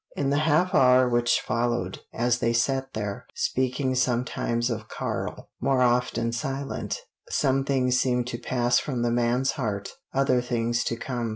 In the half hour which followed, as they sat there, speaking sometimes of Karl, more often silent, some things seemed to pass from the man's heart, other things to come.